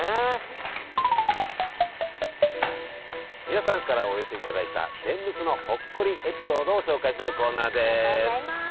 皆さんからお寄せいただいた天むすのほっこりエピソードを紹介するコーナーです。